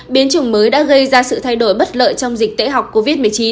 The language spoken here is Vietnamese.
biến chủng mới đã gây ra sự thay đổi bất lợi trong dịch tễ học covid một mươi chín